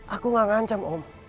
aku gak ngancam om